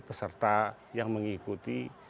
peserta yang mengikuti